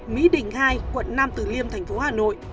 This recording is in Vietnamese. mỹ đình hai quận năm từ liêm thành phố hà nội